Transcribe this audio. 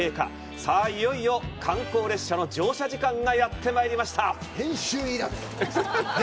いよいよ観光列車の乗車時間がやってまいりました！